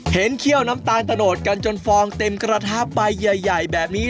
เคี่ยวน้ำตาลตะโนดกันจนฟองเต็มกระทะใบใหญ่แบบนี้